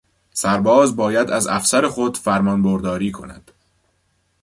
سرباز باید از افسر خود فرمانبرداری کند.